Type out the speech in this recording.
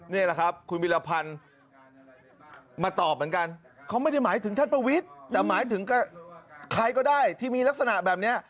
นี่แหละครับคุณพิรพันธ์มาตอบเหมือนกันเขาไม่ได้หมายถึงชาติประวิทย์